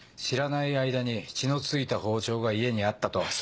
知らない間に血の付いた包丁が家にあったと？